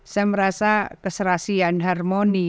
saya merasa keserasian harmoni